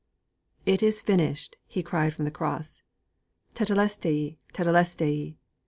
'It is finished!' He cried from the Cross. '_Tetelestai! Tetelestai!